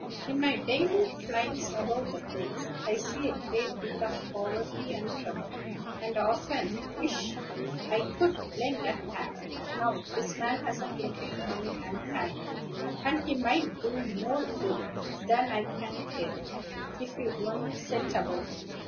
"In my daily flights about the place, I see a great deal of poverty and trouble, and often wish I could lend a hand. Now, this man has plenty of money and time; and he might do more good than I can tell, if he'd only set about it.